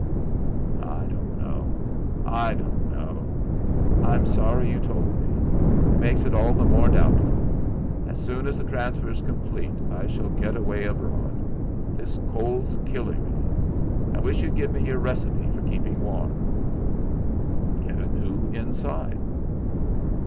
"I don't know I don't know. I'm sorry you told me. It makes it all the more doubtful. As soon as the transfer's complete, I shall get away abroad. This cold's killing me. I wish you'd give me your recipe for keeping warm." "Get a new inside."